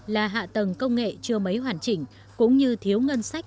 là hạ tầng công nghệ chưa mấy hoàn chỉnh cũng như thiếu ngân sách